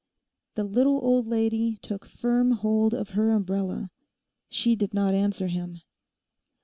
The little old lady took firm hold of her umbrella. She did not answer him.